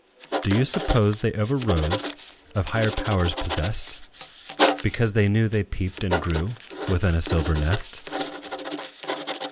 Do you suppose they ever rose Of higher powers possessed, Because they knew they peeped and grew Within a silver nest?